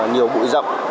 nhiều bụi rộng